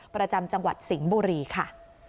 ประจำจังหวัดสิงห์บุรีค่ะ